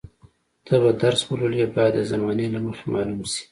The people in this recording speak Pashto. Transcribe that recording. ته به درس ولولې باید د زمانې له مخې معلوم شي.